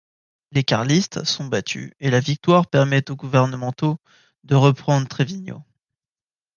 Les carlistes sont battus et la victoire permet aux gouvernementaux de reprendre Treviño.